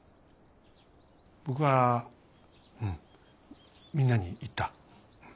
僕はうんみんなに言った。